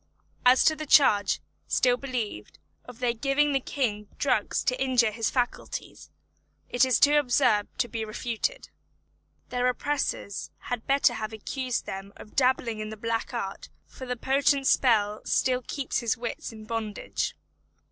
As to the charge, still believed, of their giving the King drugs to injure his faculties, it is too absurd to be refuted. Their oppressors had better have accused them of dabbling in the black art, for the potent spell still keeps his wits in bondage.